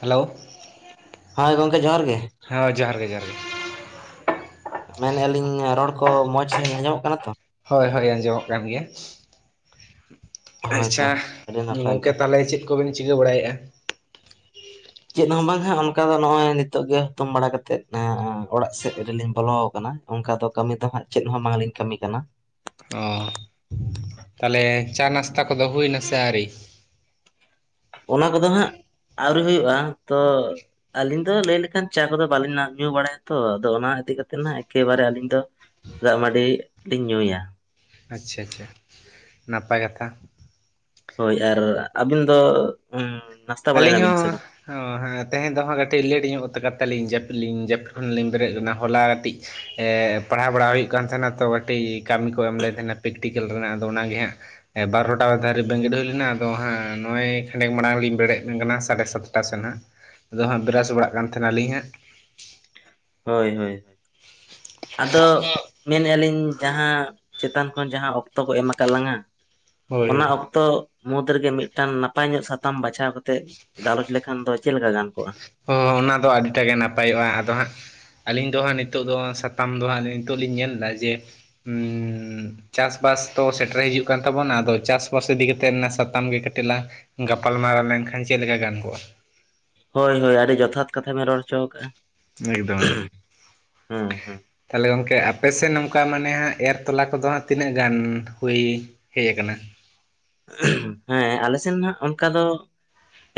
Hello. ᱦᱳᱭ ᱜᱚᱢᱠᱮ ᱡᱚᱦᱟᱨ ᱜᱮ ᱾ ᱦᱮᱸ ᱡᱚᱦᱟᱨ ᱜᱮ ᱡᱚᱦᱟᱨ ᱜᱮ ᱾ ᱢᱮᱱᱮᱜ ᱟᱞᱤᱧ ᱨᱚᱲ ᱠᱚ ᱢᱚᱸᱡᱽ ᱥᱟᱺᱦᱤᱡ ᱟᱸᱡᱚᱢᱚᱜ ᱠᱟᱱᱟ ᱛᱚ? ᱦᱳᱭ ᱦᱳᱭ ᱟᱸᱡᱚᱢᱚᱜ ᱠᱟᱱ ᱜᱮᱭᱟ ᱾ ᱦᱳᱭᱛᱚ ᱟᱪᱪᱷᱟ ᱟᱹᱰᱤ ᱱᱟᱯᱟᱭ ᱜᱚᱢᱠᱮ ᱜᱮ ᱛᱟᱦᱚᱞᱮ ᱪᱮᱫ ᱠᱚᱵᱤᱱ ᱪᱤᱠᱟᱹ ᱵᱟᱲᱟᱭᱮᱫ-ᱟ? ᱪᱮᱫ ᱦᱚᱸ ᱵᱟᱝ ᱦᱟᱸᱜ ᱚᱱᱠᱟ ᱫᱚ ᱱᱚᱜᱼᱚᱭ ᱱᱤᱛᱚᱜ ᱜᱮ ᱦᱩᱛᱩᱢ ᱵᱟᱲᱟ ᱠᱟᱛᱮᱜ, ᱚᱲᱟᱜ ᱥᱮᱫ ᱨᱮᱞᱤᱧ ᱵᱚᱞᱚ ᱠᱟᱱᱟ ᱾ ᱚᱝᱠᱟ ᱫᱚ ᱠᱟᱹᱢᱤ ᱫᱚ ᱦᱟᱸᱜ ᱪᱮᱫ ᱦᱚᱸ ᱵᱟᱝᱞᱤᱧ ᱠᱟᱹᱢᱤ ᱠᱟᱱᱟ ᱾ ᱚ ᱛᱟᱦᱚᱞᱮ ᱪᱟ-ᱱᱟᱥᱛᱟ ᱠᱚᱫᱚ ᱦᱩᱭ ᱱᱟᱥᱮ ᱟᱹᱣᱨᱤ? ᱚᱱᱟ ᱠᱚᱫᱚ ᱦᱟᱸᱜ ᱟᱣᱨᱤ ᱦᱩᱭᱩᱜᱼᱟ ᱛᱚ ᱟᱹᱞᱤᱧ ᱫᱚ ᱞᱟᱹᱭ ᱞᱮᱠᱷᱟᱱ ᱪᱟ ᱠᱚᱫᱚ ᱵᱟᱹᱞᱤᱧ ᱧᱟ ᱧᱩ ᱵᱟᱲᱟᱭᱟ ᱛᱚ, ᱟᱫᱚ ᱚᱱᱟ ᱤᱫᱤ ᱠᱟᱛᱮᱫ ᱮᱠᱮ ᱵᱟᱨᱮ ᱟᱹᱞᱤᱧ ᱫᱚ ᱫᱟᱜ ᱢᱟᱰᱤ ᱞᱤᱧ ᱧᱩᱭᱟ᱾ ᱟᱪᱪᱷᱟ ᱪᱷᱟ ᱱᱟᱯᱟᱭ ᱠᱟᱛᱷᱟ ᱾ ᱦᱳᱭ ᱟᱨ ᱟᱹᱵᱤᱱ ᱫᱚ ᱱᱟᱥᱛᱟ ᱵᱟᱲᱟᱭ ᱟᱹᱞᱤᱧ ᱦᱚ ᱱᱟᱵᱤᱱ ᱥᱮ ᱵᱟᱝ ᱳ ᱦᱮᱸ ᱛᱮᱦᱮᱧ ᱫᱚ ᱦᱟᱸᱜ ᱠᱟᱹᱴᱤᱡ ᱞᱮᱴ ᱧᱚᱜ ᱠᱟᱛᱮ ᱞᱤᱧ ᱡᱟᱹᱯᱤᱫ ᱞᱤᱧ ᱡᱟᱹᱯᱤᱫ ᱠᱷᱚᱱ-ᱞᱤᱧ ᱵᱮᱨᱮᱫ ᱞᱮᱱᱟ ᱦᱚᱞᱟ ᱠᱟᱹᱴᱤᱡ ᱮ ᱯᱟᱲᱦᱟᱣ ᱵᱟᱲᱟ ᱦᱩᱭᱩᱜ ᱠᱟᱱ ᱛᱟᱦᱮᱸᱱᱟ ᱛᱚ ᱠᱟᱹᱴᱤᱡ ᱠᱟᱹᱢᱤ ᱠᱚ ᱮᱢ ᱞᱮᱫ ᱛᱟᱦᱮᱸᱱᱟ ᱯᱮᱠᱴᱤᱠᱮᱞ ᱨᱮᱱᱟᱜ ᱟᱫᱚ ᱚᱱᱟᱜᱮ ᱦᱟᱸᱜ ᱮ ᱵᱟᱨᱚᱴᱟ ᱫᱟᱹᱨᱤᱡ ᱵᱮᱸᱜᱮᱫ ᱦᱩᱭ ᱞᱮᱱᱟ, ᱟᱫᱚ ᱦᱟᱸᱜ ᱱᱚᱜᱼᱚᱭ ᱠᱷᱟᱱᱮᱠ ᱢᱟᱲᱟᱝ ᱞᱤᱧ ᱵᱮᱨᱮᱫ ᱠᱟᱱᱟ ᱥᱟᱲᱮ ᱥᱟᱛᱴᱟ ᱥᱮᱫ ᱦᱟᱸᱜ, ᱟᱫᱚ ᱦᱟᱸᱜ ᱵᱮᱨᱟᱥ ᱵᱟᱲᱟᱜ ᱠᱟᱱ ᱛᱟᱦᱮᱱᱟᱞᱤᱧ ᱦᱟᱸᱜ᱾ ᱦᱳᱭ ᱦᱳᱭ, ᱟᱫᱚ ᱢᱮᱱᱮᱜ ᱟᱞᱤᱧ ᱡᱟᱦᱟᱸ ᱪᱮᱛᱟᱱ ᱠᱷᱚᱱ ᱡᱟᱦᱟᱸ ᱚᱠᱛᱚ ᱠᱚ ᱮᱢ ᱟᱠᱟᱫ ᱞᱟᱝᱟ ᱦᱳᱭ ᱚᱱᱟ ᱦᱳᱭ ᱚᱠᱛᱚ ᱛᱚ ᱢᱩᱫᱽ ᱨᱮᱜᱮ ᱢᱤᱫᱴᱟᱝ ᱱᱟᱯᱟᱭ ᱧᱚᱜ ᱥᱟᱛᱟᱢ ᱵᱟᱪᱷᱟᱣ ᱠᱟᱛᱮ ᱜᱟᱞᱚᱪ ᱞᱮᱠᱷᱟᱱ ᱫᱚ ᱪᱮᱫ ᱞᱮᱠᱟ ᱜᱟᱱ ᱠᱚᱜᱼᱟ? ᱦᱚ ᱚᱱᱟ ᱫᱚ ᱟᱹᱰᱤᱴᱟ ᱜᱮ ᱱᱟᱯᱟᱭᱚᱜᱼᱟ ᱟᱫᱚ ᱦᱟᱸᱜ ᱾ ᱟᱹᱞᱤᱧ ᱫᱚ ᱦᱟᱸᱜ ᱱᱤᱛᱚᱜ ᱫᱚ ᱥᱟᱛᱟᱢ ᱫᱚ ᱦᱟᱸᱜ ᱱᱤᱛᱚᱜ ᱞᱤᱧ ᱧᱮᱞ ᱮᱫᱟ ᱡᱮ ᱩᱸ ᱪᱟᱥᱵᱟᱥ ᱛᱚ ᱥᱮᱴᱮᱨ ᱦᱤᱡᱩᱜ ᱠᱟᱱ ᱛᱟᱵᱚᱱᱟ ᱟᱫᱚ ᱪᱟᱥᱵᱟᱥ ᱤᱫᱤ ᱠᱟᱛᱮᱫ ᱚᱱᱟ ᱥᱟᱛᱟᱢ ᱜᱮ ᱠᱟᱴᱤᱡᱞᱟᱝ ᱜᱟᱯᱟᱞᱢᱟᱨᱟᱣ ᱞᱮᱱᱠᱷᱟᱱ ᱪᱮᱫᱞᱮᱠᱟ ᱜᱟᱱ ᱠᱚᱜᱼᱟ? ᱦᱳᱭ ᱦᱳᱭ ᱟᱹᱰᱤ ᱡᱚᱛᱷᱟᱛ ᱠᱟᱛᱷᱟ ᱵᱮᱱ ᱨᱚᱲ ᱦᱚᱪᱚ ᱠᱟᱜᱼᱟ ᱾ ᱮᱠᱫᱚᱢ ᱮᱠᱫᱚᱢ ᱦᱮᱸ ᱛᱟᱞᱦᱮ ᱜᱚᱝᱠᱮ ᱟᱯᱮ ᱥᱮᱫ ᱱᱚᱝᱠᱟ ᱢᱟᱱᱮ ᱦᱟᱸᱜ ᱮᱨ ᱛᱚᱞᱟ ᱠᱚᱫᱚ ᱦᱟᱸᱜ ᱛᱤᱱᱟᱹᱜ ᱜᱟᱱ ᱦᱩᱭ ᱦᱩᱭ ᱟᱠᱟᱱᱟ? ᱦᱮᱸ ᱟᱞᱮ ᱥᱮᱱ ᱦᱟᱸᱜ ᱚᱱᱠᱟ ᱫᱚ ᱾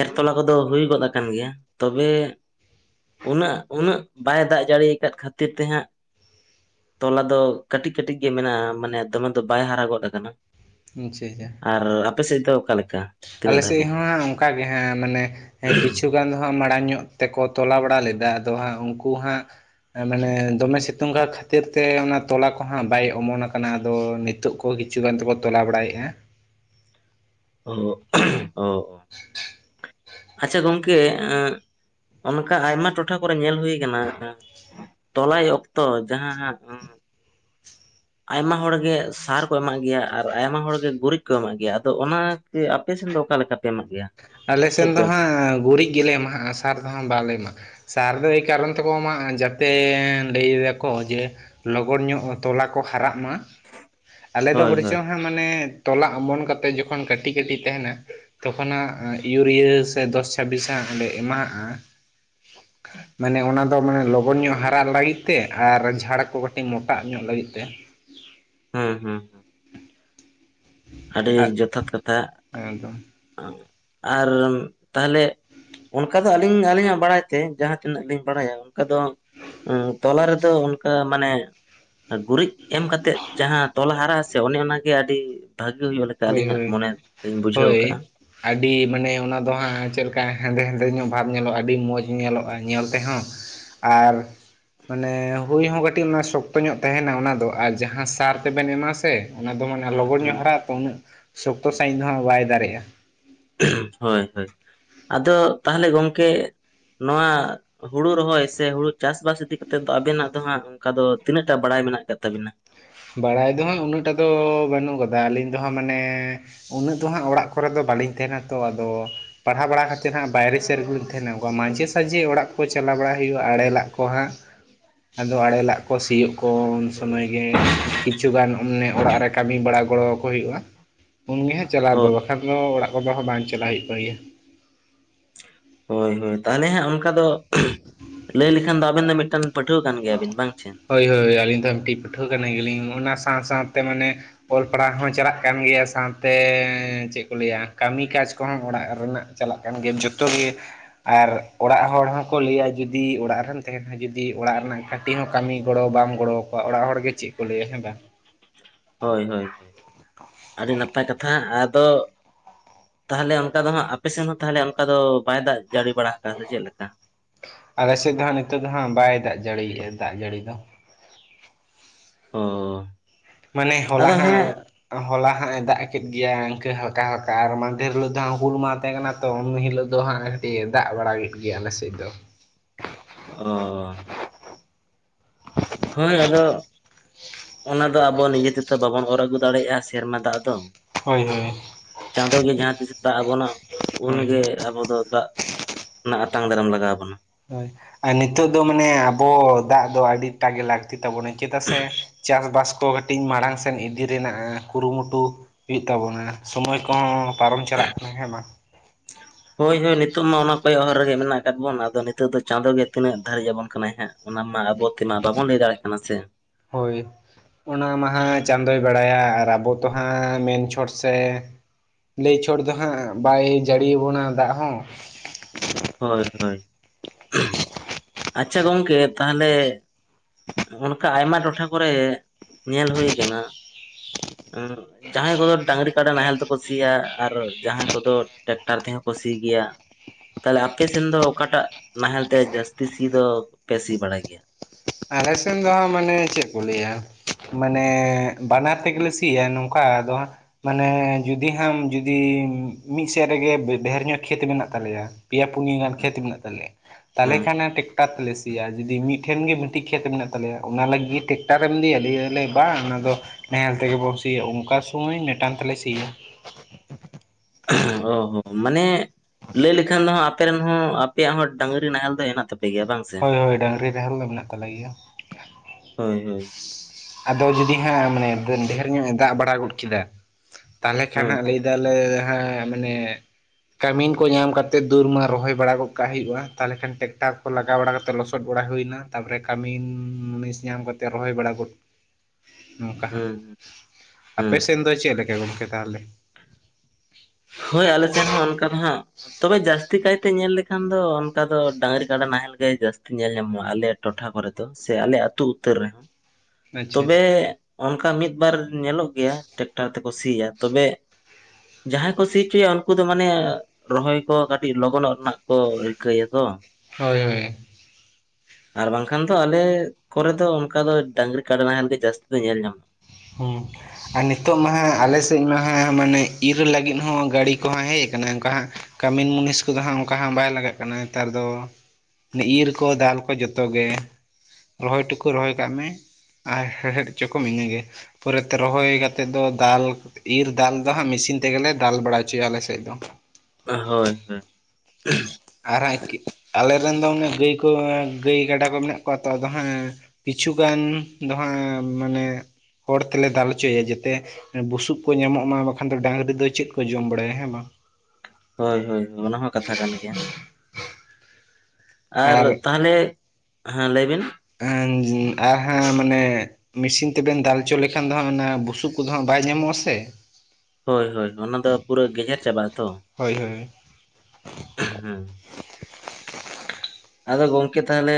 ᱮᱨ ᱛᱚᱞᱟ ᱠᱚᱫᱚ ᱦᱩᱭ ᱜᱚᱫ ᱟᱠᱟᱱ ᱜᱮᱭᱟ ᱛᱚᱵᱮ, ᱩᱱᱟᱹᱜ ᱩᱱᱟᱹᱜ ᱵᱟᱭ ᱫᱟᱜ ᱡᱟᱲᱤᱭ ᱟᱠᱟᱫ ᱠᱷᱟᱹᱛᱤᱨ ᱛᱮ ᱦᱟᱸᱜ ᱾ ᱛᱚᱞᱟ ᱫᱚ ᱠᱟᱹᱴᱤᱡ ᱠᱟᱹᱴᱤᱡ ᱜᱮ ᱢᱮᱱᱟᱜᱼᱟ ᱢᱟᱱᱮ ᱫᱚᱢᱮ ᱫᱚ ᱵᱟᱭ ᱦᱟᱨᱟ ᱜᱚᱫ ᱟᱠᱟᱱᱟ ᱾ ᱢᱤᱪᱷᱮ ᱜᱮᱭᱟ ᱟᱨ ᱟᱯᱮ ᱥᱮᱡ ᱫᱚ ᱚᱠᱟᱮᱠᱟ? ᱟᱞᱮ ᱥᱮᱫ ᱦᱚᱸ ᱚᱱᱠᱟᱜᱮ ᱦᱮᱸ ᱢᱟᱱᱮ ᱠᱤᱪᱷᱩ ᱜᱟᱱ ᱫᱚ ᱦᱟᱸᱜ ᱢᱟᱲᱟᱝ ᱧᱚᱜ ᱛᱮᱠᱚ ᱛᱚᱞᱟ ᱵᱟᱲᱟ ᱞᱮᱫᱟ ᱟᱫᱚ ᱦᱟᱸᱜ ᱩᱱᱠᱩ ᱦᱟᱸᱜ ᱢᱟᱱᱮ ᱫᱚᱢᱮ ᱥᱤᱛᱩᱝ ᱠᱷᱟ ᱠᱷᱟᱹᱛᱤᱨ ᱛᱮ ᱚᱱᱟ ᱛᱚᱞᱟ ᱠᱚᱦᱟᱸᱜ ᱵᱟᱭ ᱚᱢᱚᱱ ᱟᱠᱟᱱᱟ ᱟᱫᱚ ᱱᱤᱛ, ᱱᱤᱛᱚᱜ ᱠᱚ ᱠᱤᱪᱷᱩᱩᱜᱟᱱ ᱫᱚᱠᱚ ᱛᱚᱞᱟ ᱵᱟᱲᱟᱭᱮᱫᱼᱟ ᱾ ᱚ ᱚ ᱚ ᱟᱪᱪᱷᱟ ᱜᱚᱝᱠᱮ ᱮᱸᱜ ᱚᱱᱠᱟ ᱟᱭᱢᱟ ᱴᱚᱴᱷᱟ ᱠᱚᱨᱮ ᱧᱮᱞ ᱦᱩᱭ ᱟᱠᱟᱱᱟ, ᱛᱚᱞᱟᱭ ᱚᱠᱛᱚ ᱡᱟᱦᱟᱸ ᱦᱟᱸᱜ ᱟᱭᱢᱟ ᱦᱚᱲ ᱜᱮ ᱥᱟᱨ ᱠᱚ ᱮᱢᱟᱜ ᱜᱮᱭᱟ ᱟᱨ ᱟᱭᱢᱟ ᱦᱚᱲ ᱜᱮ ᱜᱩᱨᱤᱡ ᱠᱚ ᱮᱢᱟᱜ ᱜᱮᱭᱟ ᱟᱫᱚ ᱚᱱᱟ ᱜᱮ ᱟᱯᱮ ᱥᱮᱱ ᱫᱚ ᱚᱠᱟ ᱞᱮᱠᱟ ᱯᱮ ᱮᱢᱟᱜ ᱜᱮᱭᱟ? ᱟᱞᱮ ᱥᱮᱱ ᱪᱮᱫ ᱯᱮ ᱫᱚ ᱦᱟᱸᱜ ᱜᱩᱨᱤᱡ ᱜᱮᱞᱮ ᱮᱢᱟᱜ-ᱟ ᱥᱟᱨ ᱫᱚ ᱦᱟᱸᱜ ᱵᱟᱞᱮ ᱮᱢᱟᱜ-ᱟ ᱥᱟᱨ ᱫᱚ ᱮᱭ ᱠᱟᱨᱚᱱ ᱛᱮᱠᱚ ᱢᱟ ᱡᱟᱛᱮᱻ ᱞᱟᱹᱭ ᱫᱟᱠᱚ ᱡᱮ ᱞᱚᱜᱚᱱ ᱧᱚᱜ ᱛᱚᱞᱟ ᱠᱚ ᱦᱟᱨᱟᱜ ᱢᱟ ᱟᱞᱮ ᱫᱚ ᱦᱳᱭ ᱦᱳᱭ ᱵᱚᱨᱪᱚᱝ ᱦᱟᱸᱜ ᱢᱟᱱᱮ ᱛᱚᱞᱟ ᱚᱢᱚᱱ ᱠᱟᱛᱮᱫ ᱡᱚᱠᱷᱚᱱ ᱠᱟᱹᱴᱤᱡ ᱠᱟᱹᱴᱤᱡ ᱛᱟᱦᱮᱱᱟ ᱛᱚᱠᱷᱚᱱ ᱦᱟᱸᱜ ᱤᱭᱩᱨᱤᱭᱟᱹ ᱥᱮ ᱫᱚᱥ ᱪᱷᱟᱵᱤᱥᱜ ᱦᱟᱸᱜ ᱞᱮ ᱮᱢᱟᱜᱼᱟ ᱢᱟᱱᱮ ᱚᱱᱟ ᱫᱚ ᱢᱟᱱᱮ ᱞᱚᱜᱚᱱ ᱧᱚᱜ ᱦᱟᱨᱟᱜ ᱞᱟᱹᱜᱤᱫ ᱛᱮ ᱟᱨ ᱡᱷᱟᱲ ᱠᱚ ᱠᱟᱹᱴᱤᱡ ᱢᱚᱴᱟᱜ ᱧᱚᱜ ᱞᱟᱹᱜᱤᱫ ᱛᱮ ᱾ ᱦᱮᱸ ᱦᱩᱸ ᱾ ᱟᱹᱰᱤ ᱡᱚᱛᱷᱟᱛ ᱠᱟᱛᱷᱟ ᱮᱠᱫᱚᱢ ᱟᱨ ᱛᱟᱞᱦᱮ ᱚᱱᱠᱟ ᱫᱚ ᱟᱹᱞᱤᱧ ᱟᱹᱞᱤᱧᱟᱜ ᱵᱟᱲᱟᱭ ᱛᱮ ᱡᱟᱦᱟᱸ ᱛᱤᱱᱟᱹᱜ ᱞᱤᱧ ᱵᱟᱲᱟᱭᱟ ᱚᱱᱠᱟ ᱫᱚ ᱩᱸ ᱛᱚᱞᱟ ᱨᱮᱫᱚ ᱚᱱᱠᱟ ᱢᱟᱱᱮ ᱜᱩᱨᱤᱡ, ᱮᱢ ᱠᱟᱛᱮᱜ ᱡᱟᱦᱟᱸ ᱛᱚᱞᱟ ᱦᱟᱨᱟᱜ ᱟᱥᱮ ᱚᱱᱮ ᱚᱱᱟᱜᱮ ᱟᱹᱰᱤ ᱵᱷᱟᱹᱜᱤ ᱦᱩᱭᱩᱜ ᱞᱟᱹᱜᱤᱫ ᱾ ᱦᱳᱭ ᱟᱹᱞᱤᱧᱟᱜ ᱦᱳᱭ ᱢᱚᱱᱮ ᱛᱮᱞᱤᱧ ᱵᱩᱡᱷᱟᱹᱣ ᱦᱳᱭ ᱟᱠᱟᱜᱼᱟ ᱾ ᱟᱹᱰᱤ ᱢᱟᱱᱮ ᱚᱱᱟ ᱫᱚ ᱦᱟᱸᱜ ᱪᱮᱫ ᱞᱮᱠᱟ ᱦᱮᱸᱫᱮ ᱦᱮᱸᱫᱮ ᱧᱚᱜ ᱵᱷᱟᱵᱽ ᱧᱮᱞᱚᱜᱼᱟ ᱟᱹᱰᱤ ᱢᱚᱡᱽ ᱧᱮᱞᱚᱜᱼᱟ ᱧᱮᱞ ᱛᱮᱦᱚᱸ ᱾ ᱟᱨ ᱢᱟᱱᱮ ᱦᱩᱭ ᱦᱚᱸ ᱠᱟᱹᱴᱤᱡ ᱚᱱᱟ ᱥᱚᱠᱛᱚ ᱧᱚᱜ ᱛᱟᱦᱮᱱᱟ ᱚᱱᱟ ᱫᱚ ᱟᱨ ᱡᱟᱦᱟᱸ ᱥᱟᱨ ᱛᱮᱵᱮᱱ ᱮᱢᱟ ᱥᱮ ᱚᱱᱟ ᱫᱚ ᱢᱟᱱᱮ ᱞᱚᱜᱚᱱ ᱧᱚᱜ ᱦᱟᱨᱟᱜᱼᱟ ᱛᱚ ᱩᱱᱟᱹᱜ ᱥᱚᱠᱛᱚ ᱥᱟᱹᱦᱤᱡ ᱫᱚ‌ ᱦᱟᱸᱜ ᱵᱟᱭ ᱫᱟᱨᱮᱜᱼᱟ ᱾ ᱦᱳᱭ ᱦᱳᱭ ᱟᱫᱚ ᱛᱟᱦᱚᱞᱮ ᱜᱚᱝᱠᱮ ᱱᱚᱣᱟ, ᱦᱩᱲᱩ ᱨᱚᱦᱚᱭ ᱥᱮ ᱦᱩᱲᱩ ᱪᱟᱥᱵᱟᱥ ᱤᱫᱤ ᱠᱟᱛᱮᱫ ᱫᱚ ᱟᱵᱮᱱᱟᱜ ᱫᱚ ᱦᱟᱸᱜ ᱚᱱᱠᱟ ᱫᱚ ᱛᱤᱱᱟᱹᱜ ᱴᱟ ᱵᱟᱲᱟᱭ ᱢᱮᱱᱟᱜ ᱟᱠᱟᱫ ᱛᱟᱵᱤᱱᱟ? ᱵᱟᱲᱟᱭ ᱫᱚ ᱦᱟᱸᱜ ᱩᱱᱟᱹᱜᱴᱟ ᱫᱚ ᱵᱟᱹᱱᱩᱜ ᱠᱟᱫᱟ ᱟᱹᱞᱤᱧ ᱫᱚ ᱦᱟᱸᱜ ᱢᱟᱱᱮ ᱩᱱᱟᱹᱜ ᱫᱚ ᱦᱟᱸᱜ ᱚᱲᱟᱜ ᱠᱚᱨᱮ ᱫᱚ ᱵᱟᱹᱞᱤᱧ ᱛᱟᱦᱮᱱᱟ ᱛᱚ ᱟᱫᱚ ᱯᱟᱲᱦᱟᱣ ᱵᱟᱲᱟ ᱠᱟᱛᱮᱫ ᱦᱟᱸᱜ ᱵᱟᱭᱨᱮ ᱥᱮᱫ ᱨᱮᱜᱮᱞᱤᱧ ᱛᱟᱦᱮᱱᱟ᱾ ᱚᱱᱠᱟ ᱢᱟᱡᱷᱮ ᱥᱟᱡᱷᱮ ᱚᱲᱟᱜ ᱠᱚ ᱪᱟᱞᱟᱣ ᱵᱟᱲᱟ ᱦᱩᱭᱩᱜᱼᱟ᱾ ᱟᱲᱮᱞᱟᱜ ᱠᱚ ᱦᱟᱸᱜ᱾ ᱟᱫᱚ ᱟᱲᱮ ᱞᱟᱜ ᱠᱚ, ᱥᱤᱭᱳᱜ ᱠᱚ ᱩᱱ ᱥᱚᱢᱚᱭ ᱜᱮ᱾ ᱠᱤᱪᱷᱩᱜᱟᱱ ᱚᱱᱮ ᱚᱲᱟᱜ ᱨᱮ ᱠᱟᱹᱢᱤ ᱵᱟᱲᱟ ᱜᱚᱲᱚ ᱠᱚ ᱦᱩᱭᱩᱜᱼᱟ᱾ ᱩᱱ ᱜᱮᱸ ᱦᱟᱸᱜ ᱪᱟᱞᱟᱣ ᱫᱚ᱾ ᱦᱳᱭ ᱵᱟᱠᱷᱟᱱ ᱫᱚ ᱚᱲᱟᱜ ᱠᱚᱫᱚ ᱦᱚᱸ ᱵᱟᱝ ᱪᱟᱞᱟᱣ ᱦᱩᱭᱩᱜ ᱠᱟᱱ ᱜᱮᱭᱟ᱾ ᱦᱳᱭ ᱦᱳᱭ, ᱛᱟᱦᱚᱞᱮ ᱦᱟᱸᱜ ᱚᱱᱠᱟ ᱫᱚ ᱞᱟᱹᱭ ᱞᱮᱠᱷᱟᱱ ᱫᱚ ᱟᱵᱮᱱ ᱫᱚ ᱢᱤᱫᱴᱟᱝ ᱯᱟᱹᱴᱷᱩᱣᱟᱹ ᱠᱟᱱ ᱜᱮᱭᱟ ᱵᱤᱱ ᱵᱟᱝ ᱪᱮ? ᱦᱳᱭ ᱦᱳᱭ, ᱟᱹᱞᱤᱧ ᱫᱚ ᱢᱤᱫᱴᱮᱡ ᱯᱟᱹᱴᱷᱩᱣᱟᱹ ᱠᱟᱱ ᱜᱮᱭᱟᱞᱤᱧ᱾ ᱚᱱᱟ ᱥᱟᱶ ᱥᱟᱶᱛᱮ ᱢᱟᱱᱮ ᱚᱞ ᱯᱟᱲᱦᱟᱣ ᱦᱚᱸ ᱪᱟᱞᱟᱜ ᱠᱟᱱ ᱜᱮᱭᱟ᱾ ᱥᱟᱶᱛᱮ ᱪᱮᱫ ᱠᱚ ᱞᱟᱹᱭᱟ? ᱠᱟᱹᱢᱤ ᱠᱟᱡᱽ ᱠᱚᱦᱚᱸ ᱚᱲᱟᱜ ᱨᱮᱱᱟᱜ ᱪᱟᱞᱟᱜ ᱠᱟᱱ ᱜᱮᱭᱟ᱾ ᱡᱷᱚᱛᱚ ᱜᱮ ᱟᱨ ᱚᱲᱟᱜ ᱦᱚᱲ ᱦᱚᱸᱠᱚ ᱞᱟᱹᱭᱟ ᱡᱩᱫᱤ ᱚᱲᱟᱜ ᱨᱮᱢ ᱛᱟᱦᱮᱱ ᱦᱚᱸ ᱡᱩᱫᱤ ᱚᱲᱟᱜ ᱨᱮᱱᱟᱜ ᱠᱟᱹᱴᱤᱡ ᱦᱚᱸ ᱠᱟᱹᱢᱤ ᱜᱚᱲᱚ ᱵᱟᱢ ᱜᱚᱲᱚ ᱟᱠᱚᱣᱟ᱾ ᱚᱲᱟᱜ ᱦᱚᱲ ᱜᱮ ᱪᱮᱫ ᱠᱚ ᱞᱟᱹᱭᱟ ᱦᱮᱸ ᱵᱟᱝ? ᱦᱳᱭ ᱦᱳᱭ ᱦᱳᱭ, ᱟᱹᱰᱤ ᱱᱟᱯᱟᱭ ᱠᱟᱛᱷᱟ᱾ ᱟᱫᱚ ᱛᱟᱦᱚᱞᱮ ᱚᱱᱠᱟ ᱫᱚ ᱦᱟᱸᱜ ᱟᱯᱮᱥᱮᱫ ᱦᱚᱸ ᱛᱟᱦᱚᱞᱮ ᱚᱱᱠᱟ ᱫᱚ ᱵᱟᱭ ᱫᱟᱜ ᱡᱟᱹᱲᱤ ᱵᱟᱲᱟ ᱟᱠᱟᱫᱟ ᱥᱮ ᱪᱮᱫ ᱞᱮᱠᱟ? ᱟᱞᱮ ᱥᱮᱫ ᱫᱚ ᱦᱟᱜ ᱱᱤᱛᱚᱜ ᱫᱚ ᱦᱟᱸᱜ ᱵᱟᱭ ᱫᱟᱜ ᱡᱟᱹᱲᱤᱭᱼᱟ᱾ ᱫᱟᱜ ᱡᱟᱹᱲᱤ ᱫᱚ᱾ ᱚᱸ᱾ ᱢᱟᱱᱮ ᱦᱚᱞᱟ ᱦᱚᱸᱜ ᱦᱚᱞᱟ ᱦᱟᱸᱜ ᱮ ᱫᱟᱜ ᱠᱮᱫ ᱜᱮᱭᱟ᱾ ᱤᱱᱠᱟᱹ ᱦᱟᱞᱠᱟ ᱦᱟᱞᱠᱟ ᱟᱨ ᱢᱟᱫᱷᱮᱨ ᱦᱤᱞᱳᱜ ᱫᱚ ᱦᱟᱸᱜ ᱦᱩᱞ ᱢᱟ ᱛᱟᱦᱮᱸ ᱠᱟᱱᱟ᱾ ᱛᱚ ᱩᱱ ᱦᱤᱞᱳᱜ ᱫᱚ ᱦᱟᱸᱜ ᱠᱟᱹᱴᱤᱡ ᱫᱟᱜ ᱵᱟᱲᱟ ᱠᱮᱫ ᱜᱮᱭᱟ᱾ ᱟᱞᱮ ᱥᱮᱫ ᱫᱚ᱾ ᱚᱸ᱾ ᱦᱳᱭ ᱟᱫᱚ ᱚᱱᱟ ᱫᱚ ᱟᱵᱚ ᱱᱤᱡᱮ ᱛᱮᱫᱚ ᱵᱟᱵᱚᱱ ᱚᱨ ᱟᱹᱜᱩ ᱫᱟᱲᱮᱭᱟᱜᱼᱟ, ᱥᱮᱨᱢᱟ ᱫᱟᱜ ᱫᱚ᱾ ᱦᱳᱭ ᱦᱳᱭ ᱪᱟᱸᱫᱚ ᱜᱮ ᱡᱟᱦᱟᱸᱛᱤᱥᱮ ᱫᱟᱜ ᱟᱵᱚᱱᱟ ᱦᱳᱭ ᱩᱱᱜᱮ ᱟᱵᱚ ᱫᱚ ᱫᱟᱜ ᱨᱮᱱᱟᱜ ᱟᱛᱟᱝ ᱫᱟᱨᱟᱢ ᱞᱟᱜᱟᱣ ᱵᱚᱱᱟ᱾ ᱦᱳᱭ ᱟᱨ ᱱᱤᱛᱚᱜ ᱫᱚ ᱢᱟᱱᱮ ᱟᱵᱚ ᱫᱟᱜ ᱫᱚ ᱟᱹᱰᱤᱴᱟᱜ ᱜᱮ ᱞᱟᱹᱠᱛᱤ ᱛᱟᱵᱚᱱᱟ᱾ ᱪᱮᱫᱟᱜ ᱥᱮ ᱪᱟᱥᱵᱟᱥ ᱠᱚ ᱠᱟᱹᱴᱤᱡ ᱢᱟᱲᱟᱝ ᱥᱮᱱ ᱤᱫᱤ ᱨᱮᱱᱟᱜ ᱠᱩᱨᱩᱢᱩᱴᱩ ᱦᱩᱭᱩᱜ ᱛᱟᱵᱚᱱᱟ᱾ ᱥᱚᱢᱚᱭ ᱠᱚᱦᱚᱸ ᱯᱟᱨᱚᱢ ᱪᱟᱞᱟᱜ ᱠᱟᱱᱟ ᱦᱮᱸ ᱢᱟ᱾ ᱦᱳᱭ ᱦᱳᱭ, ᱱᱤᱛᱚᱜ ᱢᱟ ᱚᱱᱟ ᱠᱚᱭᱚᱜ ᱦᱚᱨ ᱨᱮᱜᱮ ᱢᱮᱱᱟᱜ ᱟᱠᱟᱫ ᱵᱚᱱ᱾ ᱟᱫᱚ ᱱᱤᱛᱚᱜ ᱫᱚ ᱪᱟᱸᱫᱚ ᱜᱮ ᱛᱤᱱᱟᱹᱜ ᱫᱷᱟᱹᱨᱤᱡ ᱟᱵᱚᱱ ᱠᱟᱱᱟᱭ ᱦᱟᱸᱜ ᱚᱱᱟ ᱢᱟ ᱟᱵᱚ ᱛᱮᱢᱟ ᱵᱟᱵᱚᱱ ᱞᱟᱹᱭ ᱫᱟᱲᱮᱭᱟᱜ ᱠᱟᱱᱟ ᱥᱮ? ᱦᱳᱭ᱾ ᱚᱱᱟ ᱢᱟᱦᱟ ᱪᱟᱸᱫᱚᱭ ᱵᱟᱲᱟᱭᱟ ᱟᱨ ᱟᱵᱚ ᱛᱚ ᱦᱟᱸᱜ ᱢᱮᱱ ᱪᱷᱚᱴ ᱥᱮ ᱞᱟᱹᱭ ᱪᱷᱚᱲ ᱫᱚ ᱦᱟᱸᱜ ᱵᱟᱭ ᱡᱟᱹᱲᱤᱭᱟᱵᱚᱱᱟ ᱫᱟᱜ ᱦᱚᱸ᱾ ᱦᱳᱭ ᱦᱳᱭ ᱟᱪᱪᱷᱟ ᱜᱚᱝᱠᱮ ᱛᱟᱦᱚᱞᱮ ᱚᱱᱠᱟ ᱟᱭᱢᱟ ᱴᱚᱴᱷᱟ ᱠᱚᱨᱮ ᱧᱮᱞ ᱦᱩᱭ ᱟᱠᱟᱱᱟ ᱡᱟᱦᱟᱸᱭ ᱠᱚᱫᱚ ᱰᱟᱹᱝᱨᱤ ᱠᱟᱰᱟ ᱱᱟᱦᱮᱞ ᱛᱮᱠᱚ ᱥᱤᱭᱟ ᱟᱨ ᱡᱟᱦᱟᱸᱭ ᱠᱚᱫᱚ ᱴᱨᱟᱠᱴᱟᱨ ᱛᱮᱦᱚᱸ ᱠᱚ ᱥᱤ ᱜᱮᱭᱟ᱾ ᱛᱟᱦᱚᱞᱮ ᱟᱯᱮ ᱥᱮᱱ ᱫᱚ ᱚᱠᱟᱴᱟᱜ ᱱᱟᱦᱮᱞ ᱛᱮ ᱡᱟᱹᱥᱛᱤ ᱥᱤ ᱫᱚ ᱯᱮ ᱥᱤ ᱵᱟᱲᱟᱭ ᱜᱮᱭᱟ᱾ ᱟᱞᱮᱥᱮᱱ ᱫᱚ ᱢᱟᱱᱮ ᱪᱮᱫ ᱠᱚ ᱞᱟᱹᱭᱟ᱾ ᱢᱟᱱᱮ ᱵᱟᱱᱟᱨ ᱛᱮᱜᱮᱞᱮ ᱥᱤᱭᱟ ᱱᱚᱝᱠᱟ ᱟᱫᱚ ᱢᱟᱱᱮ ᱡᱩᱫᱤ ᱦᱟᱢ ᱡᱩᱫᱤ ᱢᱤᱫ ᱥᱮᱫ ᱨᱮᱜᱮ ᱰᱷᱮᱨ ᱧᱚᱜ ᱠᱷᱮᱛ ᱢᱮᱱᱟᱜ ᱛᱟᱞᱮᱭᱟ᱾ ᱯᱮᱭᱟ ᱯᱩᱱᱭᱟᱹ ᱜᱟᱱ ᱠᱷᱮᱛ ᱢᱮᱱᱟᱜ ᱛᱟᱞᱮᱭᱟ᱾ ᱛᱟᱦᱞᱮ ᱦᱮᱸ ᱠᱷᱟᱱᱮ ᱴᱮᱠᱴᱟᱨ ᱛᱮᱞᱮ ᱥᱤᱭᱟᱼᱟ, ᱡᱩᱫᱤ ᱢᱤᱫᱴᱷᱮᱱ ᱜᱮ ᱠᱟᱹᱡ ᱠᱷᱮᱛ ᱢᱮᱱᱟᱜ ᱛᱟᱞᱮᱭᱟ᱾ ᱚᱱᱟ ᱞᱟᱹᱜᱤᱫ ᱴᱮᱠᱴᱟᱨᱮᱢ ᱤᱫᱤᱭᱟ ᱞᱟᱹᱭ ᱫᱟᱞᱮ ᱵᱟᱝ ᱚᱱᱟ ᱫᱚ ᱱᱟᱦᱮᱞ ᱛᱮᱜᱮ ᱵᱚᱱ ᱥᱤᱭᱟ᱾ ᱚᱱᱠᱟ ᱥᱚᱢᱚᱭ ᱱᱮᱛᱟᱱ ᱛᱮᱞᱮ ᱥᱤᱭᱟ᱾ ᱚ ᱦᱚᱸ ᱢᱟᱱᱮ ᱞᱟᱹᱭ ᱞᱮᱠᱷᱟᱱ ᱫᱚ ᱦᱟᱸᱜ ᱟᱯᱮ ᱨᱮᱱ ᱦᱚᱸ ᱟᱯᱮᱭᱟᱜ ᱦᱚᱸ ᱰᱟᱝᱨᱤ ᱱᱟᱦᱮᱞ ᱫᱚ ᱦᱮᱱᱟᱜ ᱛᱟᱯᱮ ᱜᱮᱭᱟ ᱵᱟᱝ? ᱥᱮ? ᱦᱳᱭ ᱦᱳᱭ, ᱰᱟᱹᱝᱨᱤ ᱱᱟᱦᱮᱞ ᱫᱚ ᱢᱮᱱᱟᱜ ᱛᱟᱞᱮ ᱜᱮᱭᱟ᱾ ᱦᱳᱭ ᱦᱳᱭ ᱟᱫᱚ ᱡᱩᱫᱤ ᱦᱟᱸᱜ ᱢᱟᱱᱮ ᱰᱷᱮᱨ ᱧᱚᱜ ᱮ ᱫᱟᱜ ᱵᱟᱲᱟ ᱜᱚᱫ ᱠᱮᱫᱟ᱾ ᱛᱟᱞᱦᱮ ᱠᱷᱟᱱ ᱦᱮᱸ ᱦᱟᱸᱜ ᱞᱟᱹᱭ ᱫᱟᱞᱮ ᱦᱟᱸᱜ ᱢᱟᱱᱮ ᱠᱟᱹᱢᱤᱱ ᱠᱚ ᱧᱟᱢ ᱠᱟᱛᱮ ᱫᱩᱨ ᱢᱟ ᱨᱚᱦᱚᱭ ᱵᱟᱲᱟ ᱜᱚᱫᱠᱟᱜ ᱦᱩᱭᱩᱜᱼᱟ ᱛᱟᱞᱦᱮ ᱠᱷᱟᱱ ᱴᱮᱠᱴᱟᱨ ᱠᱚ ᱞᱟᱜᱟᱜᱼᱟ ᱫᱟᱠᱟᱣ ᱵᱟᱲᱟ ᱠᱟᱛᱮ ᱞᱚᱥᱚᱫ ᱵᱟᱲᱟ ᱦᱩᱭᱱᱟ ᱛᱟᱯᱚᱨᱮ ᱠᱟᱹᱢᱤᱻ ᱢᱩᱱᱤᱥ ᱧᱟᱢ ᱠᱟᱛᱮ ᱨᱚᱦᱚᱭ ᱵᱟᱲᱟ ᱜᱚᱫ ᱱᱚᱝᱠᱟ ᱦᱟᱸᱜ ᱦᱩᱸ ᱦᱩᱸ ᱟᱯᱮ ᱥᱮᱱ ᱫᱚ ᱪᱮᱫ ᱞᱮᱠᱟ ᱜᱚᱝᱠᱮ ᱛᱟᱦᱚᱞᱮ ᱦᱳᱭ ᱟᱞᱮ ᱥᱮᱱ ᱦᱚᱸ ᱚᱱᱠᱟ ᱫᱚ ᱦᱟᱸᱜ ᱛᱚᱵᱮ ᱡᱟᱹᱥᱛᱤ ᱠᱟᱭᱛᱮ ᱧᱮᱞ ᱞᱮᱠᱷᱟᱱ ᱫᱚ ᱚᱱᱠᱟ ᱫᱚ ᱰᱟᱹᱝᱨᱤ ᱜᱟᱰᱟ ᱱᱟᱦᱮᱞ ᱜᱮ ᱡᱟᱹᱥᱛᱤ ᱧᱮᱞ ᱧᱟᱢᱚᱜᱼᱟ ᱟᱞᱮ ᱴᱚᱴᱷᱟ ᱠᱚᱨᱮ ᱫᱚ ᱥᱮ ᱟᱞᱮ ᱟᱹᱛᱩ ᱩᱛᱟᱹᱨ ᱨᱮᱦᱚᱸ ᱟᱪᱪᱷᱟ ᱛᱚᱵᱮ ᱟᱪᱪᱷᱟ ᱚᱱᱠᱟ ᱢᱤᱫᱵᱟᱨ ᱧᱮᱞᱚᱜ ᱜᱮᱭᱟ ᱴᱮᱠᱴᱟᱨ ᱛᱮᱠᱚ ᱥᱤᱭᱟ ᱛᱚᱵᱮ ᱡᱟᱦᱟᱸ ᱠᱚ ᱥᱤ ᱦᱚᱪᱚᱭᱟ ᱩᱱᱠᱩ ᱫᱚ ᱢᱟᱱᱮ ᱨᱚᱦᱚᱭ ᱠᱚ ᱠᱟᱹᱴᱤᱡ ᱞᱚᱜᱚᱱᱚᱜ ᱨᱮᱱᱟᱜ ᱠᱚ ᱨᱤᱠᱟᱹᱭᱟ ᱛᱚ ᱦᱳᱭ ᱦᱳᱭ [unintelligible] ᱟᱨ ᱵᱟᱝᱠᱷᱟᱱ ᱫᱚ ᱟᱞᱮ ᱠᱚᱨᱮ ᱫᱚ ᱚᱱᱠᱟ ᱫᱚ ᱰᱟᱹᱝᱨᱤ ᱠᱟᱰᱟ ᱱᱟᱦᱮᱞ ᱜᱮ ᱡᱟᱹᱥᱛᱤ ᱫᱚ ᱧᱮᱞ ᱧᱟᱢᱚᱜᱼᱟ ᱦᱩᱸ ᱟᱨ ᱱᱤᱛᱚᱜ ᱢᱟ ᱦᱟᱸᱜ ᱟᱞᱮ ᱥᱮᱫ ᱢᱟ ᱦᱟᱸᱜ ᱢᱟᱱᱮ ᱤᱨ ᱞᱟᱹᱜᱤᱫ ᱦᱚᱸ ᱜᱟᱹᱲᱤ ᱠᱚ ᱦᱟᱸᱜ ᱦᱮᱡ ᱠᱟᱱᱟ ᱚᱱᱠᱟ ᱦᱟᱸᱜ ᱠᱟᱹᱢᱤᱱ ᱢᱩᱱᱤᱥ ᱠᱚᱫᱚ ᱦᱟᱸᱜ ᱚᱱᱠᱟ ᱦᱟᱸᱜ ᱵᱟᱭ ᱞᱟᱜᱟᱜ ᱠᱟᱱᱟ ᱱᱮᱛᱟᱨ ᱫᱚ ᱤᱨ ᱠᱚ ᱫᱟᱞ ᱠᱚ ᱡᱚᱛᱚ ᱜᱮ ᱨᱚᱦᱚᱭ ᱴᱩᱠᱩ ᱨᱚᱦᱚᱭ ᱠᱟᱜ ᱢᱮ ᱟᱨ ᱦᱮᱲᱦᱮᱫ ᱚᱪᱚᱚᱠᱢ ᱤᱱᱟᱹᱜᱮ ᱯᱚᱨᱮᱛᱮ ᱨᱚᱦᱚᱭ ᱠᱟᱛᱮᱫ ᱫᱚ ᱫᱟᱞ ᱤᱨ ᱫᱟᱞ ᱫᱚ ᱦᱟᱸᱜ ᱢᱮᱥᱤᱱ ᱛᱮᱜᱮᱞᱮ ᱫᱟᱞ ᱵᱟᱲᱟ ᱦᱚᱪᱚᱭᱟ ᱟᱞᱮ ᱥᱮᱫ ᱫᱚ ᱦᱳᱭ ᱦᱳᱭ ᱟᱨ ᱦᱟᱸᱜ ᱟᱞᱮᱨᱮᱱ ᱫᱚ ᱩᱱᱟᱹᱜ ᱜᱟᱹᱭ ᱠᱚ ᱜᱟᱹᱭ ᱜᱟᱰᱟ ᱠᱚ ᱢᱮᱱᱟᱜ ᱠᱚᱣᱟ ᱛᱚ ᱟᱫᱚ ᱦᱟᱸᱜ ᱠᱤᱪᱷᱩ ᱜᱟᱱ ᱫᱚ ᱦᱟᱸᱜ ᱢᱟᱱᱮ ᱦᱚᱲ ᱛᱮᱞᱮ ᱫᱟᱞ ᱦᱚᱪᱚᱭᱟ ᱡᱟᱛᱮ ᱵᱩᱥᱩᱵ ᱠᱚ ᱧᱟᱢᱚᱜ ᱢᱟ ᱵᱟᱠᱷᱟᱱ ᱫᱚ ᱰᱟᱝᱨᱤ ᱫᱚ ᱪᱮᱫ ᱠᱚ ᱡᱚᱢ ᱵᱟᱲᱟᱭᱟ ᱦᱮᱸ ᱵᱟᱝ ᱦᱳᱭ ᱦᱳᱭ ᱚᱱᱟ ᱦᱚᱸ ᱠᱟᱛᱷᱟ ᱠᱟᱱ ᱜᱮᱭᱟ ᱟᱨ ᱛᱟᱦᱚᱞᱮ ᱦᱮᱸ ᱞᱟᱹᱭᱵᱤᱱ ᱮᱸᱜ ᱟᱦᱟ ᱢᱟᱱᱮ ᱢᱮᱥᱤᱱ ᱛᱮᱵᱮᱱ ᱫᱟᱞ ᱚᱪᱚ ᱞᱮᱠᱷᱟᱱ ᱫᱚ ᱦᱟᱸᱜ ᱚᱱᱟ ᱵᱩᱥᱩᱵ ᱠᱚᱫᱚ ᱦᱟᱸᱜ ᱵᱟᱭ ᱧᱟᱢᱚᱜᱼᱟᱥᱮ ᱦᱳᱭ ᱦᱳᱭ ᱚᱱᱟ ᱫᱚ ᱯᱩᱨᱟᱹ ᱜᱮᱡᱮᱨ ᱪᱟᱵᱟᱜ ᱟᱛᱚ ᱦᱳᱭ ᱦᱳᱭ ᱟᱫᱚ ᱜᱚᱝᱠᱮ ᱛᱟᱦᱚᱞᱮ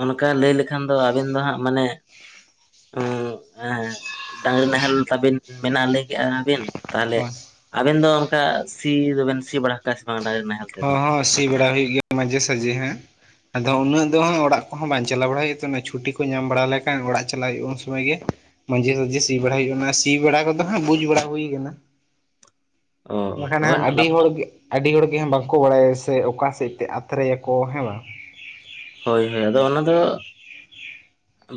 ᱚᱱᱠᱟ ᱞᱟᱹᱭ ᱞᱮᱠᱷᱟᱱ ᱫᱚ ᱟᱵᱮᱱ ᱫᱚ ᱦᱟᱸᱜ ᱢᱟᱱᱮ ᱩᱸᱜ ᱮᱸ ᱰᱟᱝᱨᱤ ᱱᱟᱦᱮᱞ ᱛᱟᱵᱤᱱ ᱢᱮᱱᱟᱜ ᱞᱟᱹᱭ ᱠᱮᱫᱼᱟᱵᱤᱱ ᱛᱟᱦᱚᱞᱮ ᱦᱳᱭ ᱟᱵᱮᱱ ᱫᱚ ᱚᱱᱠᱟ ᱥᱤ ᱫᱚᱵᱮᱱ ᱥᱤ ᱵᱟᱲᱟ ᱠᱟᱜ-ᱟ ᱥᱮ ᱵᱟᱝ ᱰᱟᱝᱨᱤ ᱱᱟᱦᱮᱞ? ᱦᱚ, ᱛᱮᱫᱚ ᱸ ᱦᱚᱸ ᱥᱤ ᱵᱟᱲᱟ ᱦᱩᱭᱩᱜ ᱜᱮᱭᱟ ᱢᱟᱡᱷᱮ ᱥᱟᱡᱷᱮ ᱟᱫᱚ ᱩᱱᱟᱹᱜ ᱫᱚ ᱦᱟᱸᱜ ᱚᱲᱟᱜ ᱠᱚᱦᱚᱸ ᱵᱟᱝ ᱪᱟᱞᱟ ᱵᱟᱲᱟ ᱦᱩᱭᱩᱜᱼᱟ ᱛᱚ ᱪᱷᱩᱴᱤ ᱠᱚ ᱧᱟᱢ ᱵᱟᱲᱟ ᱞᱮᱠᱷᱟᱱ ᱚᱲᱟᱜ ᱪᱟᱞᱟᱜ ᱦᱩᱭᱩᱜᱼᱟ ᱩᱱ ᱥᱚᱢᱚᱭ ᱜᱮ ᱢᱟᱡᱷᱮ ᱥᱟᱡᱷᱮ ᱥᱤ ᱵᱟᱲᱟ ᱦᱩᱭᱩᱜ ᱠᱟᱱᱟ ᱥᱤ ᱵᱟᱲᱟ ᱠᱚᱫᱚ ᱦᱟᱸᱜ ᱵᱩᱡᱽ ᱵᱟᱲᱟ ᱦᱩᱭ ᱠᱟᱱᱟ [unintelligible] ᱵᱟᱠᱷᱟᱱ ᱦᱳᱭ ᱦᱟᱸᱜ ᱟᱹᱰᱤ ᱦᱚᱲ ᱜᱮ ᱟᱹᱰᱤ ᱦᱚᱲᱜᱮ ᱵᱟᱝᱠᱚ ᱵᱟᱲᱟᱭᱟ ᱥᱮ ᱚᱠᱟ ᱥᱮᱫ ᱛᱮ ᱟᱛᱨᱮᱭᱟᱠᱚ ᱦᱮᱸ ᱵᱟᱝ ᱦᱳᱭ ᱦᱳᱭ ᱟᱫᱚ ᱚᱱᱟ ᱫᱚ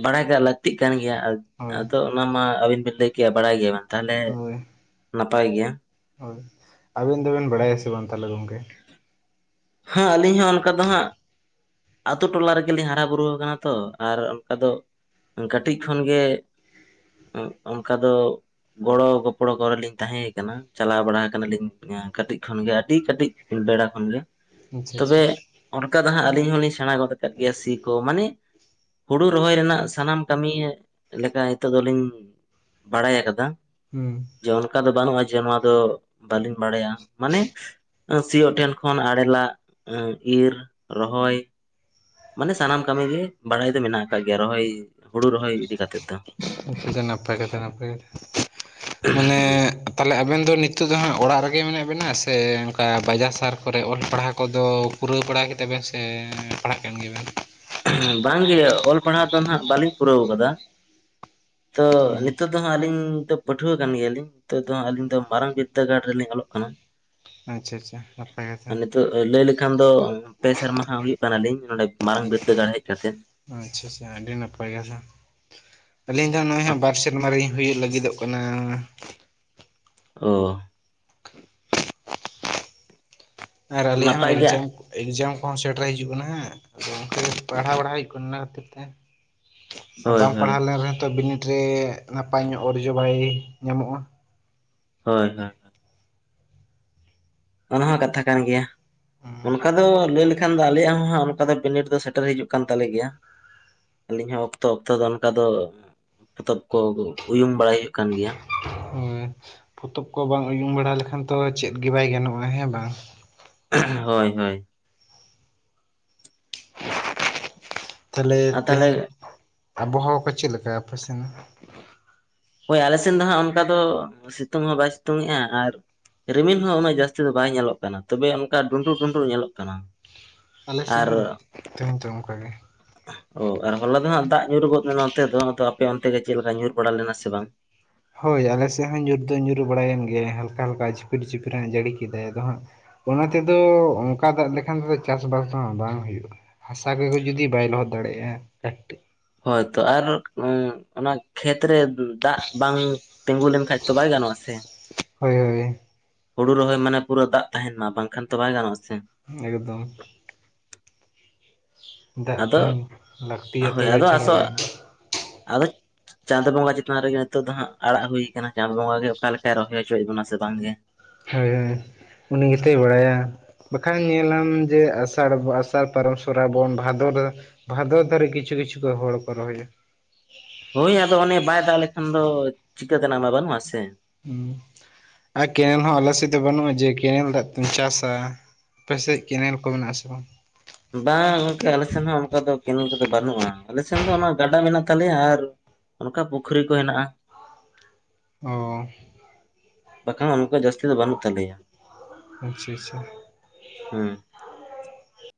ᱵᱟᱲᱟᱭᱟᱜ ᱞᱟᱹᱠᱛᱤᱜ ᱠᱟᱱ ᱜᱮᱭᱟ ᱦᱳᱭ ᱟᱫᱚ ᱚᱱᱟ ᱢᱟ ᱟᱹᱵᱤᱱ ᱵᱤᱱ ᱞᱟᱹᱭ ᱠᱮᱜᱼᱟ ᱵᱟᱲᱟᱭ ᱜᱮᱭᱟ ᱵᱮᱱ ᱛᱟᱦᱚᱞᱮ ᱦᱳᱭ ᱱᱟᱯᱟᱭ ᱜᱮᱭᱟ ᱦᱳᱭ ᱟᱵᱮᱱ ᱫᱚᱵᱮᱱ ᱵᱟᱲᱟᱭᱟ ᱥᱮ ᱵᱟᱝ ᱛᱟᱦᱚᱞᱮ ᱜᱚᱢᱠᱮ? ᱦᱮᱸ ᱟᱹᱞᱤᱧ ᱦᱚᱸ ᱚᱱᱠᱟ ᱫᱚ ᱦᱟᱸᱜ ᱟᱛᱳ ᱴᱚᱞᱟ ᱨᱮᱜᱮᱞᱤᱧ ᱦᱟᱨᱟ ᱵᱩᱨᱩ ᱟᱠᱟᱱᱟ ᱛᱚ ᱟᱨ ᱚᱱᱠᱟ ᱫᱚ ᱠᱟᱹᱴᱤᱡ ᱠᱷᱚᱱᱜᱮ ᱚᱱᱠᱟ ᱫᱚ ᱜᱚᱲᱚ ᱜᱚᱯᱚᱲᱚ ᱠᱚᱨᱮᱞᱤᱧ ᱛᱟᱦᱮᱸ ᱠᱟᱱᱟ ᱪᱟᱞᱟᱣ ᱵᱟᱲᱟ ᱟᱠᱟᱱᱟᱞᱤᱧ ᱠᱟᱹᱴᱤᱡ ᱠᱷᱚᱱᱜᱮ ᱟᱹᱰᱤ ᱠᱟᱹᱴᱤᱡ ᱵᱮᱲᱟ ᱠᱷᱚᱱ ᱜᱮ ᱟᱪᱪᱷᱟ ᱟᱪᱪᱷᱟ ᱛᱚᱵᱮ ᱚᱱᱠᱟ ᱫᱚ ᱦᱟᱸᱜ ᱟᱹᱞᱤᱧ ᱦᱚᱞᱤᱧ ᱥᱮᱸᱬᱟ ᱜᱚᱫ ᱠᱟᱜ ᱜᱮᱭᱟ ᱥᱤ ᱠᱚ ᱢᱟᱱᱮᱼᱼ ᱦᱩᱲᱩ ᱨᱚᱦᱚᱭ ᱨᱮᱱᱟᱜ ᱥᱟᱱᱟᱢ ᱠᱟᱹᱢᱤ ᱞᱮᱠᱟ ᱱᱤᱛᱚᱜ ᱫᱚᱞᱤᱧᱼᱼ ᱵᱟᱲᱟᱭ ᱟᱠᱟᱫᱟ᱾ ᱦᱩᱸ ᱡᱮ ᱚᱱᱠᱟ ᱫᱚ ᱵᱟᱹᱱᱩᱜᱼᱟ ᱡᱮ ᱱᱚᱣᱟ ᱫᱚ ᱵᱟᱹᱞᱤᱧ ᱵᱟᱲᱟᱭᱟ ᱢᱟᱱᱮ ᱥᱤᱭᱳᱜ ᱴᱷᱮᱱ ᱠᱷᱚᱱᱼᱼ ᱟᱲᱮᱞᱟᱜ ᱤᱨ ᱨᱚᱦᱚᱭ, ᱢᱟᱱᱮ ᱥᱟᱱᱟᱢ ᱠᱟᱹᱢᱤ ᱜᱮ ᱵᱟᱲᱟᱭ ᱫᱚ ᱢᱮᱱᱟᱜ ᱟᱠᱟᱫ ᱜᱮᱭᱟ ᱨᱚᱦᱚᱭ ᱦᱩᱲᱩ ᱨᱚᱦᱚᱭ ᱤᱫᱤ ᱠᱟᱛᱮᱜ ᱫᱚ ᱱᱟᱯᱟᱭ ᱠᱟᱛᱷᱟ ᱜᱚᱢᱠᱮ ᱢᱟᱱᱮᱼᱼ ᱦᱩᱸ ᱛᱟᱦᱚᱞᱮ ᱟᱵᱮᱱ ᱫᱚ ᱱᱤᱛᱳ ᱫᱚ ᱦᱟᱸᱟᱜ ᱚᱲᱟᱜ ᱨᱮᱜᱮ ᱢᱮᱱᱟᱜ ᱵᱮᱮᱱᱟ ᱥᱮ ᱚᱱᱠᱟ ᱵᱟᱡᱟᱨ ᱥᱟᱨ ᱠᱚᱨᱮ ᱚᱞ ᱯᱟᱲᱦᱟᱣ ᱠᱚᱫᱚᱼᱼ ᱯᱩᱨᱟᱹᱣ ᱵᱟᱲᱟ ᱠᱮᱫᱟ ᱵᱮᱱ ᱥᱮ ᱯᱟᱲᱦᱟᱜ ᱠᱟᱱ ᱜᱮᱵᱮᱱᱼᱼ ᱵᱟᱝᱜᱮ ᱚᱞ ᱯᱟᱲᱦᱟᱣ ᱫᱚ ᱱᱟᱦᱟᱜ ᱵᱟᱹᱞᱤᱧ ᱯᱩᱨᱟᱹᱣ ᱟᱠᱟᱫᱟ ᱛᱚ ᱦᱩᱸ ᱱᱤᱛᱳᱼᱼ ᱱᱤᱛ ᱟᱹᱞᱤᱧ ᱯᱟᱹᱴᱷᱩᱣᱟᱹ ᱠᱟᱱ ᱜᱮᱭᱟᱞᱤᱧ ᱱᱤᱛᱚᱜ ᱫᱚ ᱟᱹᱞᱤᱧ ᱫᱚ ᱢᱟᱨᱟᱝ ᱵᱤᱫᱽᱫᱟᱹᱜᱟᱲ ᱨᱮᱞᱤᱧ ᱚᱞᱚᱜ ᱠᱟᱱᱟ᱾ ᱟᱪᱪᱷᱟ ᱟᱪᱪᱷᱟ ᱱᱟᱯᱟᱭ ᱠᱟᱛᱷᱟ ᱱᱤᱛᱚᱜ ᱞᱟᱹᱭ ᱞᱮᱠᱷᱟᱱ ᱫᱚ ᱯᱮ ᱥᱮᱨᱢᱟ ᱟᱦᱟ ᱦᱩᱭᱩᱜ ᱠᱟᱱᱟᱞᱤᱧ ᱱᱚᱰᱮ ᱢᱟᱨᱟᱝ ᱵᱫᱟᱹᱜᱟᱲ ᱦᱮᱡ ᱠᱟᱛᱮᱮᱫ᱾ ᱟᱪᱪᱷᱟ ᱟᱪᱪᱷᱟ ᱟᱹᱰᱤ ᱱᱟᱯᱟᱭ ᱠᱟᱛᱷᱟ ᱟᱹᱞᱤᱧ ᱫᱚ ᱱᱚᱜᱼᱚᱭ ᱦᱟᱸᱜ ᱵᱟᱨ ᱥᱮᱨᱢᱟ ᱞᱤᱧ ᱦᱩᱭᱩᱜ ᱞᱟᱹᱜᱤᱫᱚᱜ ᱠᱟᱱᱟ᱾ ᱚᱻ ᱟᱨ ᱟᱞᱮᱭᱟᱜ ᱦᱚᱸ ᱱᱟᱯᱟᱭ ᱜᱮ ᱮᱠᱡᱟᱢ᱾ ᱮᱠᱡᱟᱢ ᱠᱚᱦᱚᱸ ᱥᱮᱴᱮᱨ ᱦᱤᱡᱩᱜ ᱠᱟᱱᱟ ᱦᱟᱸᱜ ᱟᱫᱚ ᱚᱱᱠᱟ ᱠᱟᱴᱤᱡ ᱯᱟᱲᱦᱟᱣ ᱵᱟᱲᱟ ᱦᱩᱭᱩᱜ ᱠᱟᱱᱟ ᱚᱱᱟ ᱠᱷᱟᱹᱛᱤᱨ ᱛᱮ᱾ ᱟᱨ ᱦᱳᱭ ᱵᱟᱝ ᱦᱳᱭ ᱯᱟᱲᱦᱟᱣ ᱞᱮᱱ ᱨᱮᱦᱚᱸ ᱛᱚ ᱵᱤᱱᱤᱰ ᱨᱮ ᱱᱟᱯᱟᱭ ᱧᱚᱜ ᱚᱨᱡᱚ ᱵᱟᱭ ᱧᱟᱢᱚᱜᱼᱟ᱾ ᱦᱳᱭ ᱦᱳᱭ᱾ ᱚᱱᱟ ᱦᱚᱸ ᱠᱟᱛᱷᱟ ᱠᱟᱱ ᱜᱮᱭᱟ, ᱦᱩᱸ ᱚᱱᱠᱟ ᱫᱚ ᱞᱟᱹᱭ ᱞᱮᱼᱼ ᱮᱠᱷᱟᱱ ᱫᱚ ᱟᱞᱮᱭᱟᱜ ᱦᱚᱸ ᱦᱟᱸᱜ ᱚᱱᱠᱟ ᱫᱚ ᱵᱤᱱᱤᱰ ᱫᱚ ᱥᱮᱴᱮᱨ ᱦᱤᱡᱩᱜ ᱠᱟᱱ ᱛᱟᱞᱮ ᱜᱮᱭᱟ᱾ ᱟᱹᱞᱤᱧ ᱦᱚᱸ ᱚᱠᱛᱚ ᱚᱠᱛᱚ ᱫᱚ ᱚᱱᱠᱟ ᱫᱚ ᱯᱚᱛᱚᱵ ᱠᱚ ᱩᱭᱩᱝ ᱵᱟᱲᱟᱭ ᱦᱩᱭᱩᱜ ᱠᱟᱱ ᱜᱮᱭᱟ᱾ ᱦᱩᱸ ᱯᱚᱛᱚᱵ ᱠᱚ ᱵᱟᱝ ᱩᱭᱩᱝ ᱵᱟᱲᱟ ᱞᱮᱠᱷᱟᱱ ᱛᱚ ᱪᱮᱫ ᱜᱮ ᱵᱟᱭ ᱜᱟᱱᱚᱜᱼᱟ, ᱦᱮᱸ ᱵᱟᱝ? [unintelligible] ᱦᱳᱭ ᱦᱳᱭ᱾ ᱛᱟᱦᱞᱮ ᱟᱨ ᱛᱟᱦᱚᱞᱮ ᱛᱮᱦᱮᱧ ᱟᱵᱚᱦᱟᱣᱟ ᱠᱚ ᱪᱮᱫ ᱞᱮᱠᱟ ᱟᱯᱮ ᱥᱮᱱ? ᱦᱳᱭ ᱟᱞᱮ ᱥᱮᱱ ᱫᱚ ᱦᱟᱸᱜ ᱚᱱᱠᱟ ᱫᱚ ᱥᱤᱛᱩᱝ ᱦᱚᱸ ᱵᱟᱭ ᱥᱤᱛᱩᱝᱮᱼᱟ ᱟᱨᱼᱼ ᱨᱤᱢᱤᱞ ᱦᱚᱸ ᱩᱱᱟᱹᱜ ᱡᱟᱹᱥᱛᱤ ᱫᱚ ᱵᱟᱭ ᱧᱮᱞᱚᱜ ᱠᱟᱱᱟ ᱛᱚᱵᱮ ᱚᱱᱠᱟ ᱰᱩᱱᱰᱩᱜ ᱰᱩᱩᱱᱰᱩ ᱧᱮᱞᱚᱜ ᱠᱟᱱᱟ᱾ ᱟᱞᱮ ᱥᱮᱫ ᱟᱨ ᱦᱚᱸ ᱛᱮᱦᱮᱧ ᱫᱚ ᱚᱱᱠᱟ ᱜᱮ᱾ ᱚ ᱟᱨ ᱦᱚᱞᱟ ᱫᱚ ᱦᱟᱸᱜ ᱫᱟᱜ ᱧᱩᱨ ᱜᱚᱫ ᱞᱮᱱᱟ ᱱᱚᱛᱮ ᱫᱚ ᱟᱫᱚ ᱟᱯᱮ ᱚᱱᱛᱮ ᱜᱮ ᱪᱮᱫ ᱞᱮᱠᱟ ᱧᱩᱨ ᱵᱟᱲᱟ ᱞᱮᱱᱟ ᱥᱮ ᱵᱟᱝ? ᱦᱳᱭ ᱟᱞᱮ ᱥᱮᱫ ᱦᱚᱸ ᱧᱩᱨ ᱫᱚ ᱧᱩᱨᱩ ᱵᱟᱲᱟᱭᱮᱱ ᱜᱮᱭᱟ ᱦᱟᱞᱠᱟ ᱦᱟᱞᱠᱟ ᱡᱷᱤᱯᱤᱨ ᱡᱷᱤᱯᱤᱨᱮ ᱡᱟᱹᱲᱤ ᱠᱮᱫᱟᱭ ᱟᱫᱚ ᱦᱟᱸᱜᱼᱼ ᱚᱱᱟ ᱛᱮᱫᱚ ᱚᱱᱠᱟ ᱫᱟᱜ ᱞᱮᱠᱷᱟᱱ ᱛᱮᱫᱚ ᱪᱟᱥᱵᱟᱥ ᱦᱚᱸ ᱵᱟᱝ ᱦᱩᱭᱩᱜᱼᱟ᱾ ᱦᱟᱥᱟ ᱠᱚᱜᱮ ᱡᱩᱫᱤ ᱵᱟᱭ ᱞᱚᱦᱚᱫ ᱫᱟᱲᱮᱭᱟᱜᱼᱟ ᱠᱟᱹᱴᱤᱼᱼ ᱦᱳᱭᱛᱚ ᱟᱨ ᱩᱸ ᱚᱱᱟ ᱠᱷᱮᱛ ᱨᱮ ᱫᱟᱜ ᱵᱟᱝᱼᱼ ᱛᱤᱸᱜᱩ ᱞᱮᱱ ᱠᱷᱟᱡ ᱛᱚ ᱵᱟᱭ ᱜᱟᱱᱚᱜᱼᱟ ᱥᱮ᱾ ᱦᱳᱭ ᱦᱳᱭ᱾ ᱦᱩᱲᱩ ᱨᱚᱦᱚᱭ ᱢᱟᱱᱮ ᱯᱩᱨᱟᱹ ᱫᱟᱜ ᱛᱟᱦᱮᱱ ᱢᱟ ᱵᱟᱝᱠᱷᱟᱱ ᱛᱚ ᱵᱟᱭ ᱜᱟᱱᱚᱜᱼᱟ ᱥᱮ᱾ ᱮᱠᱫᱚᱢ᱾ ᱫᱟᱜ ᱟᱫᱚ ᱛᱮᱦᱮᱱ ᱞᱟᱹᱠᱛᱤᱭᱟ ᱦᱳᱭ ᱛᱚᱵᱮ ᱟᱫᱚ ᱪᱷᱟᱲ ᱵᱟᱭ ᱟᱫᱚ ᱪᱟᱸᱫᱚ ᱵᱚᱸᱜᱟ ᱪᱮᱛᱟᱱ ᱨᱮᱜᱮ ᱱᱤᱛᱚᱜ ᱫᱚ ᱦᱟᱸᱜ ᱟᱲᱟᱜ ᱦᱩᱭ ᱠᱟᱱᱟ ᱪᱟᱸᱫᱚ ᱵᱚᱸᱜᱟ ᱜᱮ ᱚᱠᱟ ᱞᱮᱠᱟᱭ ᱨᱚᱦᱚᱭ ᱦᱚᱪᱚᱭᱮᱫ ᱵᱚᱱᱟ ᱥᱮ ᱵᱟᱝ ᱜᱮᱼᱼ ᱦᱳᱭ ᱦᱳᱭ, ᱩᱱᱤ ᱜᱮᱛᱭ ᱵᱟᱲᱟᱭᱟ᱾ ᱵᱟᱠᱷᱟᱱ ᱧᱮᱞᱟᱢ ᱡᱮ ᱟᱥᱟᱲ ᱵᱚ ᱟᱥᱟᱲ ᱯᱟᱨᱚᱢ ᱥᱚᱨᱟᱭ ᱵᱚᱱ ᱵᱷᱟᱫᱚᱨᱼᱼ ᱵᱷᱟᱫᱚᱨ ᱫᱷᱟᱨᱤᱪ ᱠᱤᱪᱷᱩ ᱠᱤᱪᱷᱩ ᱠᱚ ᱦᱚᱲ ᱠᱚ ᱨᱚᱦᱚᱭᱟ᱾ ᱦᱳᱭ ᱟᱫᱚ ᱚᱱᱮ ᱵᱟᱭ ᱫᱟᱜ ᱞᱮᱠᱷᱟᱱ ᱫᱚ ᱪᱤᱠᱟᱹ ᱛᱮᱱᱟᱜ ᱢᱟ ᱵᱟᱹᱱᱩᱜᱼᱟ ᱥᱮ ᱾ ᱦᱩᱸ ᱟᱨ ᱠᱮᱱᱮᱞ ᱦᱚᱸ ᱟᱞᱮ ᱥᱮᱫ ᱫᱚ ᱵᱟᱹᱱᱩᱜᱼᱟ ᱡᱮ ᱠᱮᱱᱮᱞ ᱫᱟᱜ ᱛᱮᱢ ᱪᱟᱥᱟ ᱾ ᱟᱯᱮ ᱥᱮᱜ ᱠᱮᱱᱮᱞ ᱠᱚ ᱢᱮᱱᱟᱜᱼᱟ ᱥᱮ ᱵᱟᱝ? ᱵᱟᱝ ᱜᱚᱝᱠᱮ ᱟᱞᱮ ᱥᱮᱱ ᱦᱚᱸ ᱚᱱᱠᱟ ᱫᱚ ᱠᱮᱱᱮᱞ ᱠᱚᱫᱚ ᱵᱟᱹᱱᱩᱜᱼᱟ ᱾ ᱟᱞᱮ ᱥᱮᱱ ᱫᱚ ᱚᱱᱟ ᱜᱟᱰᱟ ᱢᱮᱱᱟᱜ ᱛᱟᱞᱮᱭᱟ ᱟᱨ ᱚᱱᱠᱟ ᱯᱩᱠᱷᱨᱤ ᱠᱚ ᱦᱮᱱᱟᱜᱼᱟ᱾ [inaudible] ᱚᱻ ᱵᱟᱠᱷᱟᱱ ᱚᱱᱠᱟ ᱡᱟᱹᱥᱛᱤ ᱫᱚ ᱵᱟᱹᱱᱩᱜ ᱛᱟᱞᱮᱭᱟ ᱾ ᱟᱪᱪᱷᱟ ᱟᱪᱪᱷᱟ ᱾ ᱦᱩᱸ᱾